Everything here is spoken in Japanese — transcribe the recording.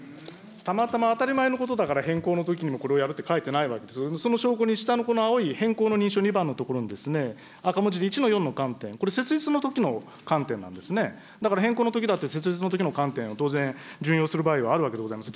たまたま当たり前のことだから、変更のときにもこれをやると書いてない、その証拠にこの下の青い所、変更の認証、２番のところに、赤文字で１の４の観点、これ、設立のときの観点なんですね、だから変更のときだって設立のときの観点、当然準用する場合があるわけでございます。